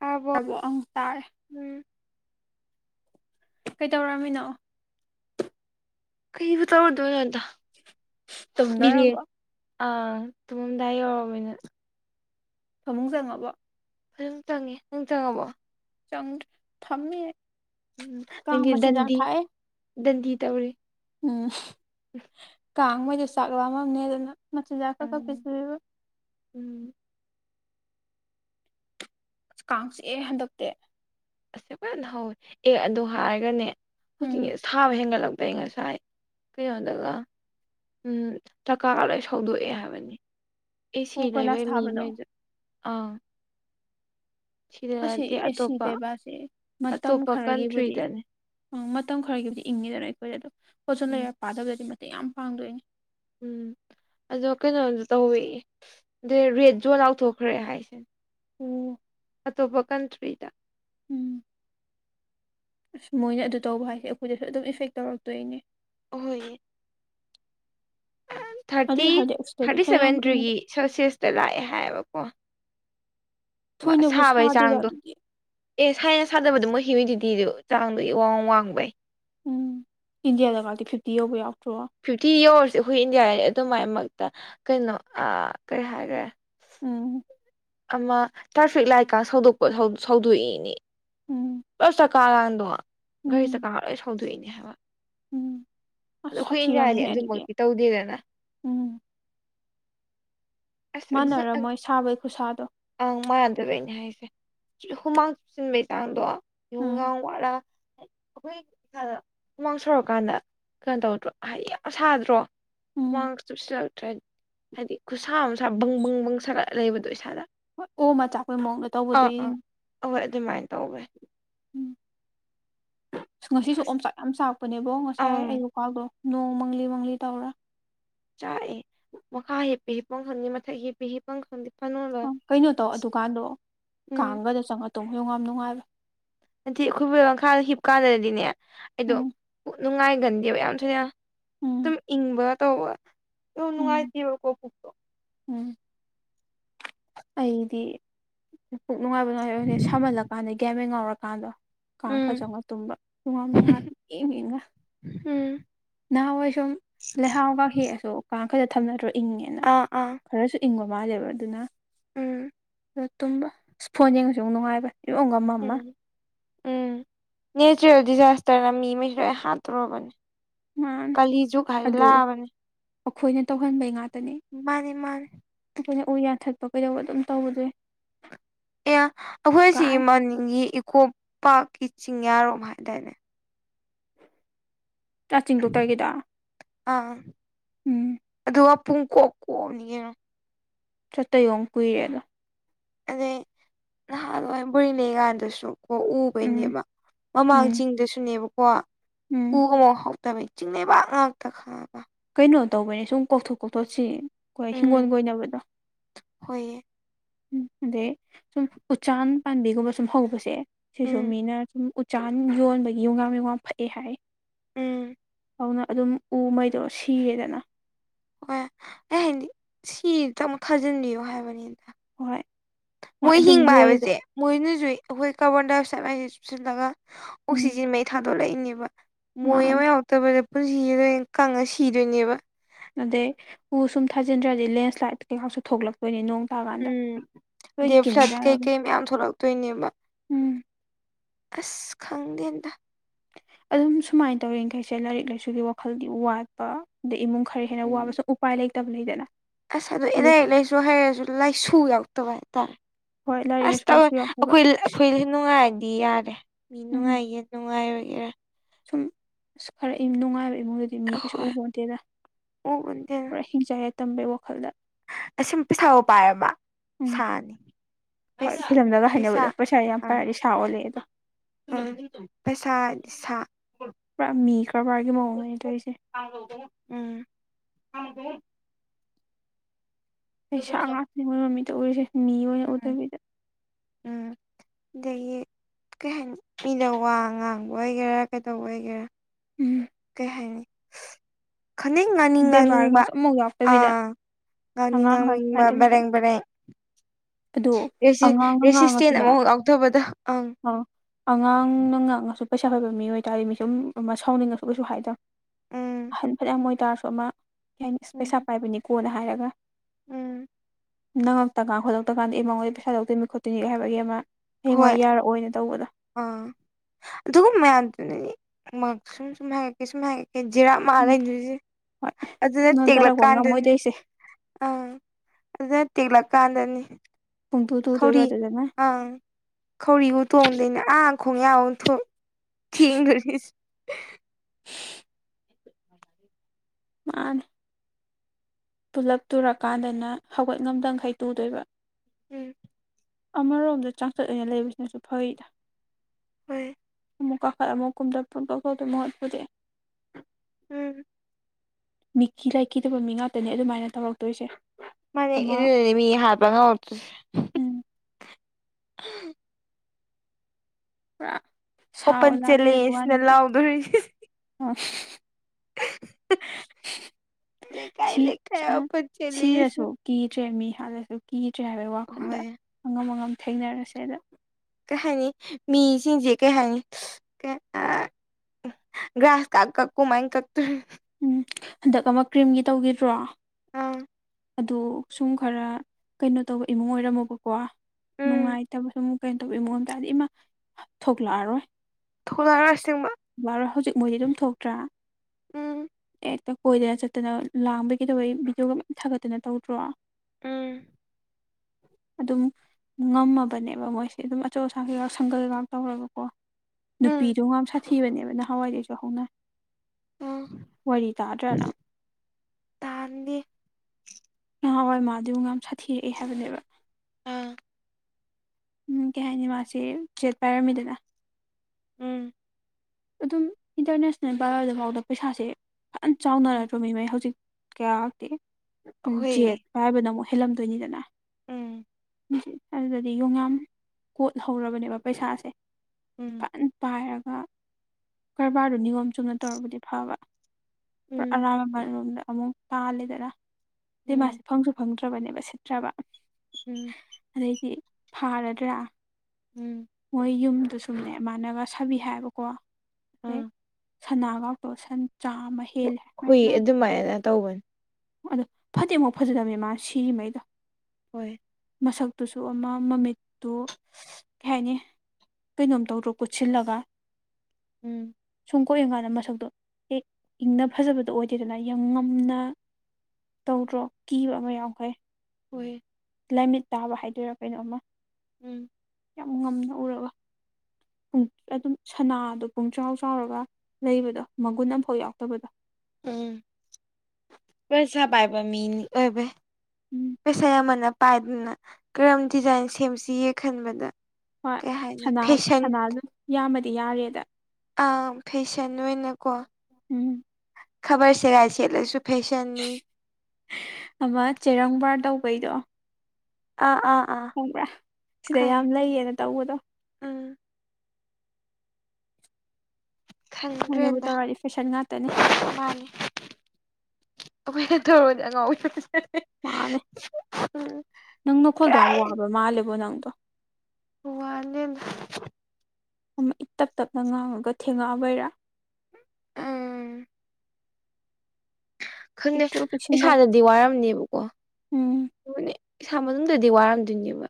ꯇꯥꯔꯕꯣ ꯇꯕꯣ ꯑꯪ ꯇꯥꯔ ꯎꯝ ꯀꯩꯗꯧꯔꯛꯝꯃꯤꯅꯣ ꯀꯩꯕ ꯇꯧꯔꯗꯣ ꯌꯥ ꯇꯨꯝꯗꯔꯕꯣ ꯑꯥ ꯇꯨꯡꯗꯏꯃꯤꯅ ꯐꯃꯨꯡ ꯆꯪꯉꯕ ꯝ ꯆꯪꯉꯦ ꯅꯪ ꯆꯪꯉꯕꯣ ꯆꯪ ꯊꯃꯤ ꯎꯝ ꯅꯪ ꯗꯟꯗꯤ ꯗꯟꯗꯤ ꯇꯧꯔꯤ ꯎꯝ ꯀꯥꯡꯉꯩꯗꯨ ꯆꯥꯛꯂꯥꯃꯝꯅꯦ ꯑꯗꯨꯅ ꯃꯆꯖ ꯀ ꯀ ꯎꯝ ꯀꯁꯤꯕꯤꯕ ꯎꯝ ꯀꯥꯡ ꯆꯤꯑꯦ ꯍꯟꯗꯛꯇꯤ ꯑꯁ ꯐꯖꯅ ꯍꯧꯋꯦ ꯑꯦ ꯑꯗꯨꯗ ꯍꯥꯏꯔꯒꯅꯦ ꯎꯝ ꯍꯧꯖꯤꯛꯁ ꯁꯥꯕ ꯍꯦꯟꯒꯠꯂꯄ ꯩ ꯉꯁꯥꯏ ꯀ ꯌꯣꯗꯒ ꯎꯝ ꯆꯀꯥꯔꯒ ꯂꯣꯏ ꯁꯧꯗꯣꯛꯑꯦ ꯍꯥꯏꯕꯅꯤ ꯑꯦ ꯁꯤ ꯑꯣ ꯀꯣꯏꯂꯥꯁ ꯂꯩꯕꯩ ꯊꯥꯕꯗꯣ ꯃꯤꯉꯩꯗ ꯑꯥ ꯁꯤꯗ ꯑꯁꯤ ꯅꯠꯇꯦ ꯑꯦꯁꯤ ꯑꯇꯣꯞꯄ ꯇꯦꯕꯥꯁꯦ ꯃꯇꯝ ꯑꯇꯣꯞꯄ ꯈꯔꯒꯤꯕꯨꯗꯤ ꯀꯟꯇ꯭ꯔꯤꯗꯅꯦ ꯎ ꯃꯇꯝ ꯈꯔꯒꯤꯕꯨꯗꯤ ꯏꯪꯉꯤꯗꯅ ꯑꯩꯈꯣꯏꯗ ꯑꯗꯨ ꯄꯣꯠꯁꯣ ꯎꯝ ꯂꯩꯔ ꯄꯥꯗꯕꯗꯗꯤ ꯃꯇꯦꯡ ꯌꯥꯝ ꯄꯥꯡꯗꯣꯏꯅꯦ ꯎꯝ ꯑꯗꯣ ꯀꯩꯅꯣꯗꯣ ꯇꯧꯋ ꯑꯗꯩ ꯔꯦꯠ ꯖꯣꯟ ꯂꯥꯎꯊꯣꯛꯈ꯭ꯔꯦ ꯍꯥꯏꯁꯦꯅꯦ ꯎꯝ ꯇꯕꯀꯥꯟ ꯇ꯭ꯔꯤꯗ ꯎꯝ ꯑꯁ ꯃꯣꯏꯅ ꯑꯗꯨ ꯇꯧꯕ ꯍꯥꯏꯁꯦ ꯑꯩꯈꯣꯏꯗꯁꯨ ꯑꯗꯨꯝ ꯏꯐꯦꯛ ꯇꯧꯔꯛꯇꯣꯏꯅꯦ ꯍꯍꯣꯏ ꯊꯥꯔꯇꯤ ꯑꯗꯨꯏ ꯍꯥꯏꯔꯗꯤ ꯑꯁꯤꯗꯗꯤ ꯊꯥꯔꯇꯤ ꯐꯅꯌꯥꯝ ꯁꯚꯦꯟ ꯗꯤꯔꯤ ꯁꯦꯜꯁꯤꯌꯁꯇ ꯂꯥꯛꯑꯦ ꯍꯥꯏꯌꯦꯕꯀꯣ ꯊꯣꯏꯅꯕꯨ ꯁꯥꯕꯩ ꯁꯥꯗꯦꯗ ꯆꯥꯡꯗꯣ ꯑꯗꯨꯗꯤ ꯑꯦ ꯁꯥꯏꯅ ꯁꯥꯥꯟꯗꯅꯕꯗꯨ ꯃꯣꯏ ꯍꯤꯌꯨꯃꯤꯗꯤꯇꯤꯗꯨ ꯆꯥꯡꯗꯣ ꯋꯥꯡ ꯋꯥꯡꯕꯩ ꯎꯝ ꯏꯟꯗꯤꯌꯥꯗ ꯃꯥꯇꯤ ꯐꯤꯐꯇꯤ ꯌꯧꯕ ꯌꯥꯎ ꯐꯤꯐꯇꯤ ꯌꯌꯥꯔꯁꯦ ꯑꯩꯈꯣꯏ ꯏꯟꯗꯤꯌꯥꯅꯤ ꯑꯗꯨꯃꯥꯏꯅꯃꯛꯇ ꯀꯩꯅꯣ ꯀꯔꯤ ꯍꯥꯏꯈ꯭ꯔꯦ ꯎꯝ ꯑꯃ ꯇ꯭ꯔꯥꯐꯤꯛ ꯂꯥꯏꯠꯀ ꯁꯧꯗꯣꯛꯄ ꯁꯧꯗꯣꯛꯏꯅꯦ ꯎꯝ ꯆꯀꯥꯀꯥꯟꯗꯣ ꯒꯥꯔꯤ ꯎꯝ ꯆꯀꯥ ꯂꯣꯏ ꯁꯧꯗꯣꯛꯏꯅꯦ ꯍꯥꯏꯕ ꯑ ꯎꯝ ꯑꯁ ꯑꯩꯈꯣꯏ ꯏꯟꯗꯤꯌꯥꯗꯤ ꯁꯥꯊꯤꯔꯝꯅꯤꯍꯦ ꯑꯗꯨꯗꯤ ꯑꯗꯨꯃꯛꯇꯤ ꯇꯧꯗꯦꯗꯅ ꯑꯁ ꯑꯗꯨ ꯃꯅꯔ ꯃꯣꯏ ꯁ ꯑꯪ ꯃꯥꯟꯅꯗꯕꯩꯅꯦ ꯍꯥꯏꯁꯦ ꯍꯨꯃꯥꯡ ꯆꯨꯞꯁꯤꯟꯕꯩ ꯆꯥꯡꯗꯣ ꯏ ꯉ ꯎꯝ ꯋꯥꯂ ꯑꯩꯈꯣꯏ ꯏꯁꯥꯗ ꯍꯃꯥꯡ ꯁꯨꯔꯛꯀꯥꯟꯗ ꯀꯩꯅꯣ ꯇꯧꯗ꯭ꯔꯣ ꯍꯥꯏꯗꯤ ꯌꯥꯝ ꯁꯥꯗ꯭ꯔꯣ ꯎꯝ ꯋꯥꯥꯡ ꯆꯨꯞꯁꯤꯜꯂꯛꯇ꯭ꯔꯦ ꯍꯥꯏꯗꯤ ꯈꯨꯠꯁꯥ ꯑꯃꯁꯥ ꯕꯪ ꯕꯪ ꯕꯪ ꯁꯥꯜꯂꯛꯑ ꯂꯩꯕꯗꯣ ꯏꯁꯥꯗ ꯍꯣꯏ ꯑꯣ ꯃꯆꯥꯄꯩ ꯃꯑꯣꯡꯗ ꯑꯥ ꯇꯧꯕꯗꯣꯅꯤ ꯑꯥ ꯑꯍꯣꯏ ꯑꯗꯨꯃꯥꯏꯅ ꯇꯧꯋꯦ ꯎꯝ ꯑ ꯉꯁꯤꯁꯨ ꯑꯁ ꯑꯆꯥꯛ ꯌꯥꯝ ꯆꯥꯛꯄꯅꯦꯕꯣ ꯉꯁꯥꯏ ꯑꯪ ꯑꯌꯨꯛꯀꯗꯣ ꯅꯣꯡ ꯃꯪꯂꯤ ꯃꯪꯂꯤ ꯇꯧꯔ ꯄꯦꯍꯤ ꯄꯣꯡꯈꯟꯅꯤ ꯃꯊꯛꯒꯤ ꯄꯦꯍꯤ ꯄꯪꯈꯣꯟ ꯑ ꯀꯩꯅꯣ ꯇꯧ ꯑꯗꯨꯀꯥꯟꯗꯣ ꯎꯝ ꯀꯥꯡꯒꯗ ꯆꯪꯉꯛꯇꯣ ꯍꯌꯡ ꯌꯥꯝ ꯅꯨꯡꯉꯥꯏꯕ ꯁꯟꯊꯤ ꯑꯩꯈꯣꯏꯕꯨ ꯃꯈꯈꯥꯗ ꯍꯤꯞꯀꯥꯟꯗꯔꯗꯤꯅꯦ ꯑꯩꯗꯣ ꯎꯝ ꯅꯨꯡꯉꯥꯏꯒꯟꯗꯦꯕ ꯌꯥꯝ ꯊꯣꯏꯅ ꯎꯝ ꯑꯗꯨꯝ ꯏꯪꯕ ꯇꯧꯧꯕ ꯎꯝ ꯅꯨꯡꯉꯥꯏꯇꯕꯀꯣꯛꯇꯣ ꯎꯝ ꯑꯩꯗꯤ ꯄꯨꯛ ꯅꯨꯡꯉꯥꯏꯕ ꯅꯨꯡꯉꯥꯏꯅꯦ ꯁꯝꯍꯜꯂ ꯀꯥꯟꯗ ꯒꯦꯝꯃꯦꯟ ꯉꯥꯎꯔꯀꯥꯟꯗꯣ ꯀꯥꯡ ꯈꯔ ꯎꯝ ꯆꯪꯉ ꯇꯨꯝꯕ ꯅꯨꯡꯉꯝ ꯅꯨꯡꯉꯥ ꯌꯦꯡ ꯌꯦꯡꯒ ꯎꯝ ꯅꯍꯥꯟꯋꯥꯏ ꯁꯨꯝ ꯂꯩꯍꯥꯎꯒ ꯍꯦꯛꯛꯑꯁꯨ ꯀꯥꯡ ꯀꯗ ꯊꯝꯅꯗ꯭ꯔꯣ ꯏꯪꯉꯦꯅ ꯑꯥ ꯑꯥ ꯈꯔꯁꯨ ꯏꯪꯕ ꯃꯥꯜꯂꯦꯕ ꯑꯗꯨꯅ ꯎꯝ ꯑꯗ ꯇꯨꯝꯕ ꯐꯣꯟ ꯌꯦꯡꯉꯁꯨ ꯑꯃꯨ ꯅꯨꯡꯉꯥꯏꯕ ꯏꯔꯣꯡꯒ ꯑꯃꯝꯃ ꯎꯝ ꯗꯤ ꯆꯁꯅ ꯃꯤ ꯃ ꯍꯥꯇꯔꯣꯕꯅꯦ ꯃꯥꯅꯦ ꯀꯂꯤꯖꯣꯛ ꯈꯥꯏꯂ ꯑꯗꯨ ꯃꯅꯤ ꯑꯩꯈꯣꯏꯅ ꯇꯧꯍꯟꯕꯩ ꯉꯥꯛꯇ ꯃꯥꯅꯤ ꯃꯥ ꯑꯩꯈꯣꯏꯅ ꯎ ꯌꯥꯟꯊꯠꯄ ꯀꯩꯗꯧꯕ ꯑꯗꯨꯝ ꯇꯧꯕꯗꯏ ꯑꯦ ꯑꯩꯈꯣꯏꯁꯤ ꯃꯅꯤꯡꯒꯤ ꯏꯀꯣ ꯄꯥꯔꯛꯀꯤ ꯆꯤꯡꯌꯥꯔꯣꯝ ꯍꯥꯏꯇꯥꯔꯅꯦ ꯆꯥꯛ ꯆꯤꯡ ꯗꯣꯛꯇꯔꯒꯤꯗ ꯑꯥ ꯑꯗꯨ ꯑ ꯄꯨꯡ ꯀꯣꯛ ꯀꯣꯛꯅꯤꯌꯦ ꯆꯠꯇꯌꯣ ꯀꯨꯏꯔꯦꯗ ꯑꯗ ꯂꯕꯔꯤ ꯂꯩ ꯀꯥꯟꯗꯁꯨ ꯀꯣ ꯎꯝ ꯎꯈꯩꯅꯦꯕ ꯃꯃꯥꯡ ꯎꯝ ꯆꯤꯡꯗꯁꯨꯅꯦꯕꯀꯣ ꯎ ꯎꯝ ꯑꯃ ꯍꯥꯎ ꯇꯃꯤꯛ ꯆꯤꯡ ꯂꯩꯕꯥꯛ ꯉꯥꯛꯇ ꯈꯥꯕ ꯀꯩꯅꯣ ꯇꯧꯕꯅꯦ ꯁꯨꯝ ꯀꯧꯊꯣꯛ ꯀꯧꯊꯣꯛꯁꯤ ꯑꯩꯈꯣꯏ ꯎꯝ ꯍꯤꯡꯒꯣꯜꯒꯣꯏꯅꯕꯗꯣ ꯍꯣꯏꯌꯦ ꯎꯝ ꯑꯗꯩ ꯁꯨꯝ ꯎꯥꯟ ꯄꯥꯟꯝꯕꯤꯒꯨꯝꯕ ꯁꯨꯝ ꯍꯧꯕꯁꯦ ꯁꯤꯁꯨ ꯎꯝ ꯃꯤꯅ ꯁꯨꯝ ꯆꯥ ꯑꯗꯨꯝ ꯌꯣꯟꯕꯒꯤ ꯌꯣꯡꯉꯝ ꯌꯣꯡꯉꯝ ꯐꯛꯑꯦ ꯍꯥꯏ ꯎꯝ ꯍꯧꯅ ꯑꯗꯨꯝ ꯎꯉꯩꯗꯣ ꯁꯤꯔꯦꯗꯅ ꯍꯣꯏ ꯑꯩ ꯍꯥꯏꯗꯤ ꯁꯤꯇꯪ ꯈꯥꯖꯤꯟꯕꯤꯌꯣ ꯍꯥꯏꯕꯅꯤꯗ ꯍꯣꯏ ꯃꯣꯏ ꯑꯗꯨꯝ ꯍꯤꯡꯕ ꯌꯣꯜꯂꯤꯗꯣ ꯍꯥꯏꯕꯁꯦ ꯃꯣꯏꯅꯁꯨ ꯑꯩꯈꯣꯏ ꯀꯥꯔꯕꯣꯟꯗꯥꯏ ꯑꯣꯛꯁꯥꯏꯠ ꯃꯥꯏꯁꯦ ꯆꯨꯞꯁꯤꯜꯂꯒ ꯎꯝ ꯑꯣꯛꯁꯤꯖꯦꯟ ꯃꯩ ꯊꯥꯗꯣꯛꯂꯛꯏꯅꯦꯕ ꯃꯣꯏ ꯃꯥꯅꯦ ꯑꯃ ꯌꯥꯎꯇꯕꯗ ꯄꯨꯟꯁꯤꯖꯤ ꯀꯪꯉꯥ ꯁꯤꯗꯣꯏꯅꯦꯕ ꯑꯗꯩ ꯎꯝ ꯁꯨꯝ ꯊꯥꯖꯤꯟꯗ꯭ꯔꯥꯗꯤ ꯂꯦꯟꯁ꯭ꯂꯥꯏꯠ ꯀꯩꯀꯥꯁꯨ ꯊꯣꯛꯂꯛꯇꯣꯏꯅꯤ ꯅꯣꯡ ꯇꯥꯀꯥꯟꯗ ꯎꯝ ꯂꯣꯏ ꯗꯦ ꯐ꯭ꯂꯠ ꯀꯤꯟꯊꯔꯒ ꯀꯩꯀꯩ ꯃꯌꯥꯝ ꯊꯣꯛꯂꯛꯇꯣꯏꯅꯦꯕ ꯎꯝ ꯑꯁ ꯈꯪꯗꯦꯗ ꯑꯗꯨꯝ ꯁꯨꯃꯥꯏꯅ ꯇꯧꯔꯤꯡ ꯈꯩꯁꯦ ꯂꯥꯏꯔꯤꯛ ꯂꯥꯏꯁꯨꯒꯤ ꯋꯥꯈꯜꯗꯤ ꯋꯥꯠꯄ ꯑꯗꯩ ꯏꯃꯨꯡ ꯈꯔ ꯍꯦꯟꯅ ꯋꯥꯕꯁꯨ ꯎꯄꯥꯏ ꯂꯩꯇꯕ ꯂꯩꯗꯅ ꯑꯁ ꯑꯗꯨ ꯑꯦꯅꯦꯛ ꯂꯩꯁꯨ ꯍꯩꯔꯁꯨ ꯂꯩꯏꯁꯨ ꯌꯥꯎꯛꯇꯕ ꯍꯥꯏꯇꯥꯔꯦ ꯍꯣꯏ ꯂꯥꯏꯔꯤꯛ ꯑꯁ ꯂꯥꯏꯁꯨ ꯇꯧꯋꯦ ꯂꯥꯏꯁꯨ ꯌꯥꯝ ꯐꯕ ꯑꯈꯣꯏ-ꯑꯈꯣꯏ ꯍꯦꯟꯅ ꯅꯨꯡꯉꯥꯏꯔꯗꯤ ꯌꯥꯔꯦ ꯃꯤ ꯎꯝ ꯅꯨꯡꯉꯥꯏꯒꯦꯔꯥ ꯅꯨꯡꯉꯥꯏꯔꯣꯏ ꯍꯔ [unintelligible] ꯁꯨꯝ ꯈꯔꯥ ꯏꯤꯡ ꯅꯨꯡꯉꯥꯏꯕ ꯏꯃꯨꯡ ꯏꯃꯨꯡꯗꯗꯤ ꯃꯤ ꯀꯩꯁꯨ ꯍꯣꯏ ꯎꯄꯣꯟꯇꯦꯗ ꯄꯨꯔꯥ ꯍꯤꯡꯆꯥꯥꯏ ꯌꯥꯏꯇꯝꯕꯩ ꯋꯥꯈꯜꯗ ꯑꯁꯤꯝ ꯄꯤꯁꯥꯕꯨ ꯄꯥꯏꯔꯕ ꯎꯝ ꯁꯥꯅꯤ ꯍꯣꯏ ꯐꯤꯂꯝꯗꯒ ꯍꯥꯏꯅꯕꯗꯣ ꯄꯩꯁꯥ ꯌꯥꯝ ꯑꯪ ꯄꯥꯏꯔꯗꯤ ꯁꯥ ꯑꯣꯜꯂꯦ ꯑꯦꯗꯣ ꯎꯝ ꯄꯩꯁꯥ ꯁꯥ ꯀꯔꯕꯥ꯭ꯔꯒꯤ ꯃꯑꯣꯡꯅꯦ ꯑꯩꯅ ꯇꯧꯔꯤꯁꯦ ꯍꯕꯨꯣ [unintelligible] ꯄꯩꯁꯥ ꯉꯥꯛꯇꯅꯦ ꯃꯣꯏ ꯃꯥꯇꯤꯠꯇ ꯎꯔꯤꯁꯦ ꯃꯤ ꯑꯣꯏꯅ ꯎꯝ ꯎꯗꯕꯤꯗ ꯎꯝ ꯑꯗꯒꯤ ꯀꯩ ꯍꯥꯏꯅꯤ ꯃꯤꯗ ꯋꯥ ꯉꯥꯡꯕ ꯑꯣꯏꯒꯦꯔꯥ ꯀꯩꯗꯧꯕ ꯑꯣꯏꯒꯦꯔꯥ ꯀꯩ ꯍꯥꯏꯅꯤ ꯈꯅꯤꯡ ꯉꯥꯡꯅꯤꯡ-ꯉꯥꯡꯅꯤꯡꯕ ꯕꯦꯕꯥꯔꯒꯁꯨ ꯑꯃꯨꯛ ꯌꯥꯎꯗꯕꯤꯗ ꯑꯥ ꯑꯉꯥꯡ ꯉꯥꯅꯤꯡ-ꯉꯥꯅꯤꯡꯕ ꯍꯥꯏꯗꯕꯤꯗ ꯕꯦꯔꯦꯡ-ꯕꯦꯔꯦꯡ ꯑꯗꯣ ꯑꯉꯥꯡꯅ ꯔꯦꯁꯤ-ꯔꯦꯔꯤꯁꯇꯦꯟ ꯉꯥꯡꯉꯁꯨꯅꯦ ꯑꯃꯨꯛ ꯂꯧꯎꯊꯥꯕꯗ ꯑꯪ ꯑꯉꯥꯡꯅ ꯉꯥꯡꯉꯥꯁꯨ ꯄꯩꯁꯥ ꯄꯥꯏꯕ ꯃꯤ ꯑꯣꯏꯇꯥꯥꯔꯗꯤ ꯑꯗꯨꯝ ꯑꯃ ꯁꯥꯎꯅꯤꯡꯉꯥꯁꯨ ꯀꯩꯁꯨ ꯍꯥꯏꯗꯝꯅꯦ ꯎꯝ ꯑꯍꯟ ꯐꯥꯅꯥꯌꯥꯝ ꯑꯣꯏꯇꯥꯔꯥꯁꯨ ꯑꯃ ꯍꯦꯡꯏ ꯄꯩꯁꯥ ꯎꯝ ꯄꯥꯏꯕꯅꯤꯀꯣꯅ ꯍꯥꯏꯔꯒ ꯎꯝ ꯅꯪꯉꯛꯇꯀꯥꯟ ꯍꯣꯠꯂꯛꯇꯀꯥꯟꯗ ꯏꯃꯨꯡꯒꯣ ꯄꯩꯁꯥ ꯂꯧꯗꯣꯏꯅꯤ ꯈꯣꯠꯇꯣꯏꯅꯤ ꯍꯥꯏꯕꯒꯤ ꯑꯃ ꯍꯣꯏ ꯍꯌꯦꯡꯋꯥꯏ ꯌꯥꯔꯛꯑꯣꯏꯅ ꯇꯧꯕꯗꯣ ꯑꯥ ꯑꯗꯨꯒ ꯃꯌꯥꯝꯗꯨꯅꯅꯤ ꯃꯥꯉꯛ ꯁꯨꯝ-ꯁꯨꯝ ꯍꯥꯏꯈꯤ ꯁꯨꯝ ꯍꯥꯏꯒꯠꯈꯤ ꯖꯤꯔꯥꯞ ꯃꯥꯜꯂꯦ ꯎꯝ ꯍꯣꯏ ꯑꯗꯨꯅ ꯅꯣꯟꯊꯔꯛꯄ ꯇꯤꯂꯛꯀꯥꯟꯗꯅꯦ ꯉꯝꯃꯣꯏꯗꯣꯏꯁꯦ ꯑꯥ ꯑꯗꯨꯅ ꯇꯦꯛꯂꯛ ꯀꯥꯟꯗꯅꯤ ꯄꯨꯡꯇꯨ ꯈꯧꯔꯤ ꯇꯨꯗꯣꯏꯕ ꯑꯗꯨꯗꯅ ꯑꯪ ꯈꯧꯔꯤ ꯎꯇꯣꯡꯗꯩꯅꯦ ꯑꯥ ꯈꯣꯡꯉꯥ ꯎꯊꯨꯡ ꯊꯦꯡꯗꯣꯏꯁꯤ ꯄꯨꯜꯂꯞ ꯇꯨꯔꯛꯀꯥꯟꯗꯅ ꯍꯧꯒꯠ ꯉꯝꯗꯈꯩ ꯇꯨꯗꯣꯏꯕ ꯎꯝ ꯑꯃꯔꯣꯝꯗ ꯆꯥꯛꯆꯠ ꯑꯣꯏꯅ ꯂꯩꯕꯁꯤꯅꯁꯨ ꯐꯩꯗ ꯍꯣꯏ ꯑꯃꯨꯛ ꯀꯥꯈꯠ ꯑꯃꯨꯛ ꯀꯨꯝꯗ ꯄꯩꯝꯇꯧ ꯇꯧꯗꯣꯏ ꯃꯍꯨꯠꯄꯗꯤ ꯎꯝ ꯃꯤꯀꯤ ꯂꯥꯏꯀꯤꯗꯕ ꯃꯤ ꯉꯥꯛꯇꯅꯦ ꯑꯗꯨꯃꯥꯏꯅ ꯇꯧꯔꯛꯇꯣꯏꯁꯦ ꯃꯥꯅꯦ ꯑꯃ ꯏꯗꯨꯅꯅꯦ ꯃꯤ ꯍꯥꯠꯄ ꯉꯝꯃꯛ ꯇꯣꯏꯁꯦ ꯎꯝ ꯄꯨꯔꯥ ꯁꯥ ꯑꯣꯄꯟ ꯑꯣꯜꯂꯛꯑꯗꯣꯏꯅꯦ ꯆꯦꯂꯦꯟꯁꯅ ꯑꯗꯨꯀꯥꯟꯗꯅꯦ ꯂꯥꯎꯗꯣꯏꯁꯤꯁ [inaudible] ꯂꯩꯀꯥꯏ-ꯂꯩꯀꯥꯏ ꯑꯣꯄꯟ ꯆꯦꯂꯦꯟꯖꯅ ꯁꯤꯔꯥꯁꯨ ꯀꯤꯗ꯭ꯔꯦ ꯃꯤ ꯍꯥꯜꯂꯁꯨ ꯀꯤꯗ꯭ꯔꯦ ꯍꯥꯏꯕ ꯋꯥꯈꯜꯗ ꯍꯣꯏ ꯑꯉꯝ-ꯑꯉꯝ ꯊꯦꯡꯅꯔꯁꯦꯗ ꯀꯩ ꯍꯥꯏꯅꯤ ꯃꯤꯁꯤꯡꯖꯦ ꯀꯩ ꯍꯥꯏꯅꯤ ꯒ꯭ꯔꯥꯁ ꯀꯥꯛ ꯀꯛꯃꯥꯏ ꯀꯛꯇꯣꯏ ꯎꯝ ꯍꯟꯗꯛ ꯑꯃ ꯀ꯭ꯔꯤꯝꯒꯤ ꯇꯧꯒꯤꯗ꯭ꯔꯣ ꯑꯪ ꯑꯗꯨꯗ ꯁꯨꯝ ꯈꯔ ꯀꯩꯅꯣ ꯇꯧꯕ ꯏꯃꯨꯡ ꯑꯣꯏꯔꯝꯃꯣꯕꯀꯣ ꯎꯝ ꯅꯨꯡꯉꯥꯏꯇꯕ ꯁꯨꯝ ꯀꯩꯅꯣ ꯇꯧꯕꯤ ꯏꯃꯉꯣꯟ ꯇꯥꯔꯗꯤ ꯏꯃ ꯊꯣꯛꯂꯛꯑꯔꯣꯏ ꯊꯂꯥꯔꯁꯤꯡꯕ ꯊꯣꯛꯂꯛꯑꯔꯣꯏ ꯍꯧꯖꯤꯛ ꯃꯣꯏꯗꯤ ꯑꯗꯨꯝ ꯊꯣꯛꯇ꯭ꯔꯥ ꯎꯝ ꯍꯦꯛꯇ ꯀꯣꯏꯗꯅ ꯆꯠꯇꯅ ꯂꯥꯡꯕꯒꯤꯗꯧꯕꯩ ꯚꯗꯤꯑꯣꯒ ꯊꯥꯒꯠꯇꯅ ꯇꯧꯗ꯭ꯔꯣ ꯎꯝ [inaudible] ꯑꯗꯨꯝ ꯉꯝꯃꯕꯅꯦꯕ ꯃꯣꯏꯁꯦ ꯑꯗꯨꯝ ꯑꯆꯧ ꯑꯁꯥ ꯀꯩꯒꯥꯛ ꯁꯪꯒꯜꯒꯥꯛ ꯇꯧꯔꯕꯀꯣ ꯎꯝ ꯅꯨꯄꯤꯗꯣ ꯉꯥ ꯁꯥꯊꯤꯕꯅꯦꯕ ꯅꯍꯥꯟꯋꯥꯏꯗꯒꯤꯩꯁꯨ ꯍꯧꯅ ꯎꯝ ꯋꯥꯔꯤ ꯇꯥꯗ꯭ꯔꯅ ꯇꯥꯍꯟꯗꯦ ꯉꯍꯥꯟꯋꯥꯏ ꯃꯥꯗꯨ ꯌꯥꯝ ꯁꯥꯊꯤꯔꯛꯑꯦ ꯍꯥꯏꯕꯅꯦꯕ ꯑꯥ ꯎꯝ ꯀꯩ ꯍꯥꯏꯅꯤ ꯃꯥꯁꯦ ꯁꯦꯠ ꯄꯥꯏꯔꯝꯃꯤꯗꯅ ꯎꯝ ꯑꯗꯨꯝ ꯏꯟꯇꯔꯅꯦꯁꯅꯦꯜ ꯕꯔꯗꯐꯥꯎꯗ ꯄꯩꯁꯥꯁꯦ ꯐꯅ ꯎꯝ ꯆꯥꯎꯅꯔꯗ꯭ꯔꯕ ꯃꯤ ꯃꯩ ꯍꯧꯖꯤꯛ ꯀꯌꯥꯇꯦ ꯎ ꯑꯩꯈꯣꯏ ꯦꯠ ꯄꯥꯏꯕꯅ ꯑꯃꯨꯛ ꯍꯦꯜꯂꯝꯗꯣꯏꯅꯤꯗꯅ ꯎꯝ ꯑꯗꯨꯗꯗꯤ ꯌꯣꯡꯌꯥ ꯀꯣꯠꯍꯧꯔꯕꯅꯦꯕ ꯄꯩꯁꯥꯁꯦ ꯎꯝ ꯐꯅ ꯄꯥꯏꯔꯒ ꯀꯔꯕꯥꯔꯗꯨ ꯅꯤꯌꯣꯝ ꯆꯨꯝꯅ ꯇꯧꯔꯕꯗꯤ ꯐꯕ ꯄꯨꯔꯥ ꯑꯔꯥ ꯎꯝ ꯑꯃ ꯂꯣꯝꯗ ꯑꯃꯨꯛ ꯀꯥꯜꯂꯤꯗꯅ ꯁꯤ ꯃꯥꯁꯦ ꯎꯝ ꯐꯪꯁꯨ ꯐꯪꯗ꯭ꯔꯕꯅꯦꯕ ꯁꯤꯠꯇ꯭ꯔꯕ ꯎꯝ ꯑꯗꯩꯗꯤ ꯐꯔꯗ꯭ꯔꯥ ꯎꯝ ꯃꯣꯏ ꯌꯨꯝꯗꯨ ꯁꯨꯝꯅꯦꯃꯥꯟꯅꯒ ꯁꯥꯕꯤ ꯍꯥꯏꯕꯀꯣ ꯑꯩ ꯑꯥ ꯁꯅꯥꯒꯥꯎꯇꯣꯛ ꯁꯟ ꯆꯥꯝꯃ ꯍꯦꯜꯂꯦ ꯃꯥꯏ ꯍꯨꯏ ꯁꯅꯥꯗꯣ ꯑꯗꯨꯃꯥꯏꯅ ꯇꯧꯕꯅꯤ ꯑꯗꯣ ꯐꯠꯇꯦ ꯃꯨꯛ ꯐꯖꯂꯝꯕꯅꯦ ꯃꯥ ꯁꯤꯔꯤꯉꯩꯗꯣ ꯍꯣꯏ ꯃꯁꯛꯇꯨꯁꯨ ꯑꯃ ꯃꯃꯤꯛꯇꯨ ꯀꯩ ꯍꯥꯏꯅꯤ ꯀꯩꯅꯣꯝ ꯇꯧꯗ꯭ꯔꯣ ꯀꯣꯠꯁꯤꯜꯂꯒ ꯎꯝ ꯨꯀꯣꯛ ꯌꯦꯡꯀꯥꯟꯗ ꯃꯁꯛꯇꯣ ꯍꯦꯛ ꯏꯪꯅ ꯐꯖꯕꯗꯣ ꯑꯣꯏꯗꯦꯗꯅ ꯌꯥꯝ ꯉꯝꯅ ꯇꯧꯗ꯭ꯔꯣ ꯀꯤꯕ ꯑꯃ ꯌꯥꯎꯈꯩ ꯍꯣꯏ ꯂꯥꯏꯃꯤꯠ ꯇꯥꯕ ꯍꯥꯏꯗꯣꯏꯔꯥ ꯀꯩꯅꯣꯝꯃ ꯎꯝ ꯌꯥꯝ ꯉꯝꯅ ꯎꯔꯒ ꯑꯗꯨꯝ ꯁꯅꯥꯗꯣ ꯄꯨꯡꯆꯥꯎ ꯆꯥꯎꯔꯒ ꯂꯩꯕꯗꯣ ꯃꯒꯨꯟ ꯑꯃꯝꯐꯥꯎ ꯌꯥꯎꯗꯕꯗꯣ ꯎꯝ ꯄꯩꯁꯥ ꯄꯥꯏꯕ ꯃꯤ ꯑꯣꯏꯕ ꯎꯝ ꯄꯩꯁꯥ ꯌꯥꯝꯃꯟꯅ ꯄꯥꯏꯗꯅ ꯀꯔꯝ ꯗꯤꯖꯥꯏꯟ ꯁꯦꯝꯁꯤꯒ ꯈꯟꯕꯗ ꯀꯩ ꯍꯥꯏꯅꯤ ꯍꯣꯏ ꯐꯦꯁꯟ ꯁꯅꯥꯗꯨ ꯌꯥꯝꯃꯗꯤ ꯌꯥꯔꯦꯗ ꯑ ꯐꯦꯁꯟ ꯑꯣꯏꯅꯀꯣ ꯎꯝ ꯈꯕꯔ ꯁꯦꯒꯥꯏꯁꯤꯂ ꯁ ꯑꯃ ꯆꯦꯔꯪꯕꯥꯔ ꯇꯧꯕꯩꯗꯣ ꯑꯥ ꯑꯥ ꯑꯥ ꯈꯣꯡꯕ꯭ꯔꯥ ꯁꯤꯗ ꯌꯥꯝ ꯈꯪꯉꯦ ꯂꯩꯌꯦꯅ ꯇꯧꯕꯗꯣ ꯎꯝ ꯃꯣꯏꯅꯕꯨ ꯈꯪꯗ꯭ꯔꯦꯟꯗ ꯇꯧꯔꯗꯤ ꯐꯦꯁꯟ ꯉꯥꯛꯇꯅꯦ ꯃꯥꯅꯦ ꯑꯩꯈꯣꯏ ꯍ ꯇꯧꯔꯣꯅꯦ ꯑꯉꯥꯡ ꯑꯣꯏ ꯃꯥꯅꯦ ꯅꯪ ꯅꯈꯣꯜꯗꯣ ꯌꯥꯝ ꯋꯥꯕ ꯃꯥꯜꯂꯦꯕꯣ ꯅꯪꯗꯣ ꯋꯥꯂꯤꯟ ꯏ ꯇꯞ ꯇꯞꯅ ꯉꯥꯡꯉꯒ ꯊꯦꯡꯉꯛꯑꯕꯩꯔꯥ ꯎꯝ ꯈꯪꯉꯦ ꯄꯤꯛꯇ꯭ꯔꯨ ꯄꯤꯛꯁꯤꯟꯈꯔꯦ ꯏꯁꯥꯗꯗꯤ ꯎꯝ ꯋꯥꯔꯝꯅꯦꯕꯀꯣꯅꯦ ꯏꯁꯥ ꯃꯅꯨꯡ ꯑꯗꯨꯗꯤ ꯋꯥꯔꯝꯗꯣꯏꯅꯦꯕ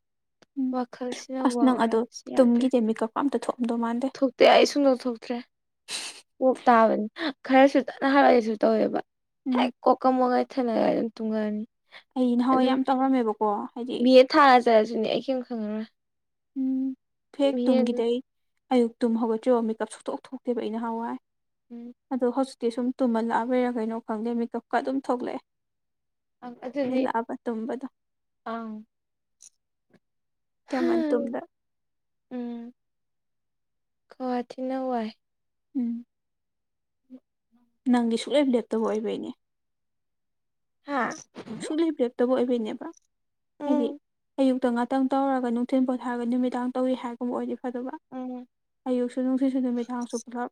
ꯎꯝ ꯋꯥꯈꯜꯁꯤꯅ ꯑꯁ ꯋꯥꯎ ꯅꯪ ꯑꯗꯣ ꯍꯥꯏꯕꯁꯨ ꯌꯥꯗ꯭ꯔꯦ ꯇꯨꯝꯒꯤꯗꯦ ꯃꯤꯀꯞꯀ ꯑꯝꯇ ꯊꯣꯛꯑꯝꯗꯧ ꯃꯥꯟꯗꯦ ꯊꯣꯛꯇꯦ ꯑꯩ ꯁꯨꯝꯗꯧ ꯊꯣꯛꯇ꯭ꯔꯦ ꯀꯣꯛ ꯇꯥꯕꯅꯤ ꯈꯔꯁꯨ ꯇꯠꯅ ꯍꯥꯔꯛꯒꯁꯨ ꯇꯧꯋꯦꯕ ꯍꯦꯛ ꯎꯝ ꯀꯣꯛꯀꯝ ꯃꯣꯛꯉꯥꯏ ꯊꯅꯒ ꯑꯗꯨꯝ ꯇꯨꯡꯉꯛꯑꯅꯤ ꯑꯩ ꯅꯍꯥꯟꯋꯥꯏ ꯑꯗꯨꯝ ꯌꯥꯝ ꯇꯧꯔꯝꯃꯦꯕꯀꯣ ꯍꯥꯏꯗꯤ ꯕꯤ ꯑꯦꯗ ꯊꯥꯖꯠꯂꯁꯨꯅꯦ ꯑꯩ ꯀꯩꯝ ꯈꯪꯉꯔꯣꯏ ꯎꯝ ꯐꯦꯛ ꯕꯤ ꯑꯦ ꯇꯨꯡꯒꯤꯗ ꯑꯌꯨꯛꯛꯇꯨꯝ ꯍꯧꯒꯠꯇ꯭ꯔꯤꯣ ꯃꯦꯀꯞ ꯁꯣꯛꯇꯣꯛ ꯊꯣꯛꯇꯦꯕ ꯏ ꯅꯍꯥꯟꯋꯥꯏ ꯎꯝ ꯑꯗꯣ ꯍꯧꯖꯤꯛ ꯇꯦ ꯁꯨꯝ ꯇꯨꯝꯍꯜꯂꯥꯛꯑꯕꯣꯏꯔꯥ ꯀꯩꯅꯣ ꯈꯪꯗꯦ ꯃꯦꯀꯞꯀ ꯑꯗꯨꯝ ꯊꯣꯛꯂꯛꯑꯦ ꯑꯗꯨꯗꯤ ꯍꯂꯥꯛꯑꯕ ꯇꯝꯕꯗꯣ ꯑꯪ ꯀꯃꯟ ꯇꯨꯝꯗ ꯀꯋꯥ ꯅꯧ ꯋꯥꯏ ꯎꯝ ꯅꯪꯗꯤ ꯁꯨꯛꯂꯩꯞ ꯂꯦꯞꯇꯕ ꯑꯣꯏꯕꯩꯅꯦ ꯍꯥꯥ ꯁꯨꯛꯂꯩꯕꯤꯔꯛꯇꯕ ꯑꯣꯏꯕꯩꯅꯦꯕ ꯎꯝ ꯍꯥꯏꯗꯤ ꯑꯌꯨ ꯉꯥꯛꯇꯪ ꯇꯧꯔꯒ ꯅꯨꯡꯊꯤꯟ ꯄꯣꯊꯥꯔꯒ ꯅꯨꯃꯤꯗꯥꯡ ꯇꯧꯏꯤ ꯍꯥꯏꯒꯨꯝꯕ ꯑꯣꯏꯔꯤꯕ ꯐꯕ ꯎꯝ ꯑꯌꯨꯛꯁꯨ ꯅꯨꯡꯊꯠꯁꯨ ꯅꯨꯃꯤꯗꯥꯡꯁꯨ ꯄꯨꯜꯂꯞ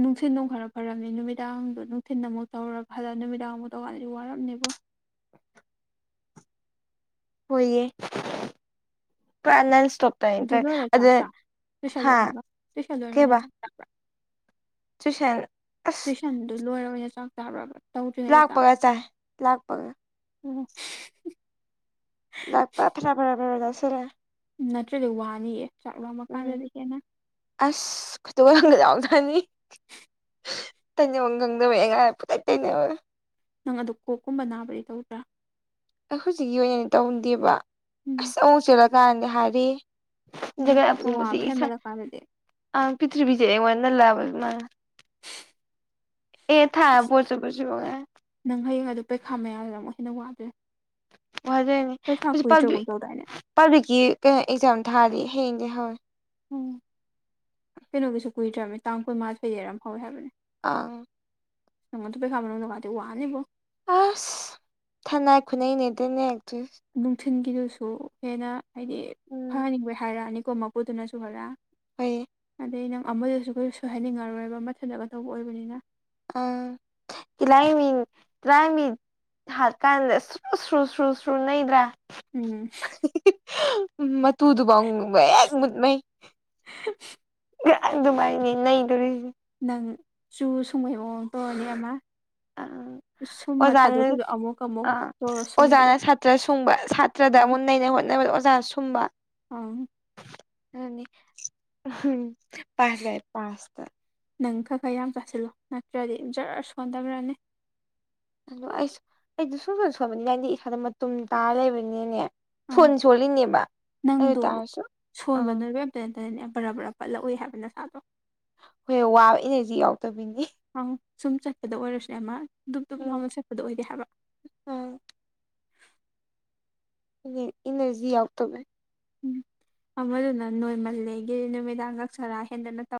ꯅꯨꯡꯊꯤꯟꯗꯣ ꯈꯔ ꯐꯔꯝꯃꯤ ꯅꯨꯃꯤꯗꯥꯡꯗꯣ ꯅꯨꯡꯊꯤꯟ ꯑꯃꯨꯛ ꯇꯧꯔ ꯐꯜꯂ ꯅꯨꯃꯤꯗꯥꯡꯃꯨ ꯇꯋꯥꯂꯤ ꯋꯥꯔꯔꯕꯅꯦꯕꯣ ꯍꯏꯌꯦ ꯀꯅ ꯑꯗꯨ ꯊꯞꯇꯇ ꯂꯣꯏꯔ ꯆꯥꯛ ꯑꯗ ꯆꯥ ꯇꯨꯏꯁꯟ ꯍꯥ ꯂꯣꯏꯔꯒ ꯇꯨꯏꯁꯟ ꯂꯣꯏꯔ ꯑꯣꯏꯅ ꯀꯦꯕ ꯆꯥꯛ ꯆꯥ ꯑꯁ ꯇꯨꯏꯁꯟꯗꯨ ꯂꯣꯏꯔ ꯑꯣꯏꯅ ꯆꯥꯛ ꯆꯥ꯭ꯔꯔꯕꯕꯥ ꯂꯥꯛꯄꯒ ꯆꯥꯏ ꯂꯥꯛꯄꯒ ꯎꯝ ꯂꯥꯛꯄ ꯐꯔꯥ ꯐꯔꯥ ꯐꯔꯁꯤꯦ ꯅꯠꯇ꯭ꯔꯗꯤ ꯋꯥꯅꯤꯌꯦ ꯆꯥꯛ ꯂꯣꯡꯃ ꯀꯥꯟꯗꯗꯤ ꯍꯦꯟꯅ ꯌꯥꯎꯗꯅꯤ ꯇꯩꯅ ꯋꯥꯪꯗ ꯃꯦꯉ ꯇ ꯅꯪ ꯑꯗꯨ ꯀꯣꯛꯀꯨꯝꯕ ꯅꯥꯕꯗꯤ ꯇꯧꯗ꯭ꯔꯥ ꯑꯩ ꯍꯧꯖꯤꯛꯀꯤ ꯑꯣꯏꯅꯗꯤ ꯇꯧꯟꯗꯦꯕ ꯎꯝ ꯑꯁ ꯑꯃꯨꯛ ꯆꯠꯂꯀꯥꯟꯗ ꯍꯥꯏꯔꯦ ꯎꯝ ꯖꯒꯥ ꯑꯄꯣꯕꯁꯤ ꯋꯥꯕ ꯏꯁꯥ ꯍꯦꯟꯃꯜꯂꯀꯥꯟꯗꯗꯤ ꯑ ꯄ꯭ꯔꯤꯊ꯭ꯤꯕꯤꯗꯦ ꯑꯩꯉꯣꯟꯅ ꯍꯃ ꯑꯦ ꯊ ꯄꯣꯆꯦ ꯄꯆ ꯅꯪ ꯍꯌꯦꯡ ꯄꯩꯈꯥ ꯃꯌꯥꯗ ꯑꯃꯨꯛ ꯍꯦꯟꯅ ꯋꯥꯗ꯭ꯔꯦ ꯑꯣꯖꯩꯅꯦ ꯍꯧꯖꯤꯛ ꯇꯧꯗꯥꯏꯅꯦ ꯄꯥꯕ꯭ꯂꯤꯛꯀꯤ ꯀꯩꯅꯣ ꯑꯦꯛꯖꯥꯝ ꯊꯥꯔꯗꯤ ꯍꯌꯦꯡꯗꯤ ꯍꯧꯔꯦ ꯎꯝ ꯀꯩꯅꯣꯒꯤꯁꯨ ꯀꯨꯏꯗ꯭ꯔꯕꯅꯤ ꯇꯥꯡ ꯀꯨꯟꯃꯥꯊꯣꯏ ꯌꯦꯔ ꯑꯃ ꯐꯥꯎꯋꯦ ꯍꯥꯏꯕꯅꯦ ꯑꯥ ꯁꯉꯅ ꯊ ꯄꯩ ꯈꯥꯕꯅꯗꯤ ꯋꯥꯅꯤꯕꯣ ꯑꯁ ꯊꯅꯥꯏ ꯈꯨꯅꯩ ꯅꯗꯅꯦꯛꯇ ꯊꯤꯟꯒꯤꯗꯨꯁꯨ ꯍꯦꯟꯅ ꯍꯥꯏꯗꯤ ꯎꯝ ꯐꯍꯟꯅꯤꯡꯕꯩ ꯍꯥꯏꯔꯛꯑꯅꯤꯀꯣ ꯃꯄꯨꯗꯨꯅꯁꯨ ꯍꯜꯂꯛꯑ ꯍꯣꯏ ꯑꯗꯩ ꯅꯪ ꯑꯃꯗꯁꯨ ꯀ ꯁꯣꯏ ꯍꯥꯏꯅꯤꯡꯉꯔꯣꯏꯕ ꯃꯊꯟꯇꯀꯗꯧꯕ ꯑꯣꯏꯕꯅꯤꯅ ꯑꯥ ꯇꯂꯥꯏ ꯃꯤ ꯇꯔꯥꯏ ꯃꯤ ꯊꯠꯀꯥꯟꯗꯨ ꯁꯨ ꯁꯨ ꯁꯨ ꯅꯩꯗ꯭ꯔꯥ ꯎꯝ ꯎꯝ ꯃꯇꯨꯗꯨꯐꯥꯎꯕ ꯃꯨꯟꯃꯩ ꯑꯗꯨꯃꯥꯏꯅꯦ ꯅꯩꯗꯣꯔꯤꯁ ꯅꯪ ꯆꯨ ꯁꯨꯡꯍꯩ ꯃꯑꯣꯡ ꯇꯧꯔꯅꯦ ꯑꯃ ꯑ ꯁꯨꯝꯕ ꯑꯣꯂ ꯊꯥꯗꯣꯛꯈꯤꯕꯗꯣ ꯑꯃꯨꯛ ꯑꯃꯨꯛ ꯑꯥ ꯇꯧꯔ ꯁꯨꯝꯕꯗꯣ ꯑꯣꯖꯥꯅ ꯁꯥꯇ꯭ꯔ ꯁꯨꯡꯕ ꯁꯥꯇ꯭ꯔꯗ ꯑꯃꯨꯛ ꯅꯩꯅ ꯍꯣꯠꯅꯕꯗ ꯑꯣꯖꯥꯅ ꯁꯨꯝꯕ ꯑꯥ ꯑ ꯎꯝ ꯄꯥꯁ ꯏ ꯄꯥꯁꯇ ꯅꯪ ꯈꯔ ꯈꯔ ꯌꯥꯝ ꯆꯥꯁꯤꯜꯂꯣ ꯅꯠꯇ꯭ꯔꯗꯤ ꯏꯝ ꯖꯔ ꯁꯣꯟꯊꯈ꯭ꯔꯅꯤ ꯑꯗꯣ ꯑꯩꯁꯨ ꯑꯩꯗ ꯁꯣꯏ ꯁ ꯁꯣꯏꯕꯅꯤꯅꯗꯤ ꯏꯁꯥꯗ ꯃꯇꯨꯝ ꯇꯥꯔ ꯂꯩꯕꯅꯤꯅꯅꯦ ꯑꯪ ꯐꯣꯟ ꯁꯣꯜꯂꯤꯅꯦꯕ ꯑꯗꯨ ꯇꯥꯔꯁꯨ ꯑꯥ ꯑꯗꯨꯗꯅꯦ ꯔꯥ ꯕꯔꯥ ꯄꯠꯂꯛꯎꯏ ꯍꯥꯏꯕ ꯅꯁꯥꯗꯣ ꯍꯣꯏ ꯋꯥꯕ ꯏꯅꯦꯗꯤ ꯌꯥꯎꯗꯕꯤꯅꯤ ꯑꯪ ꯁꯨꯝ ꯆꯠꯄꯗ ꯑꯣꯏꯔꯁꯨꯅꯦ ꯑꯃ ꯗꯨꯞ ꯗꯨꯨꯞ ꯎꯝ ꯂꯥꯎꯅ ꯆꯠꯄꯗ ꯑꯣꯏꯗꯦ ꯍꯥꯏꯕ [inaudible] ꯑꯥ ꯏ ꯏꯪꯔꯖ ꯌꯥꯎ ꯇꯃꯦ ꯎꯝ ꯑꯃꯗꯨꯅ ꯅꯣꯏꯃꯜꯂꯦꯒꯤ ꯅꯨꯃꯤꯗꯥꯡ ꯀꯛꯁꯔꯥ ꯍꯦꯟꯗꯅ ꯇꯧ